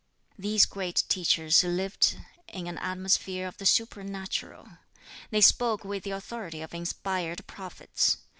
These great teachers lived in an atmosphere of the supernatural. They spoke with the authority of inspired prophets.